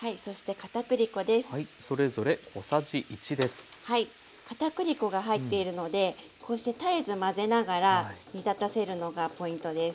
片栗粉が入っているのでこうして絶えず混ぜながら煮立たせるのがポイントです。